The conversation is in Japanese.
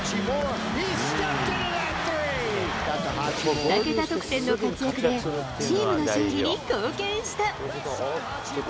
２桁得点の活躍で、チームの勝利に貢献した。